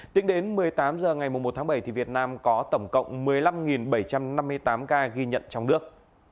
tính đến một mươi tám h ngày một tháng bảy việt nam có tổng cộng một mươi năm bảy trăm năm mươi tám ca ghi nhận trong nước